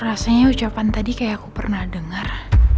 rasanya ucapan tadi kayak aku pernah dengar